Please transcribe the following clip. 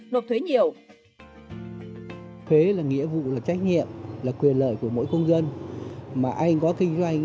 nộp thuế nhiều thuế là nghĩa vụ là trách nhiệm là quyền lợi của mỗi công dân mà anh có kinh doanh